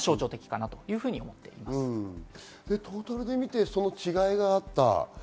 トータルで見て違いがあった。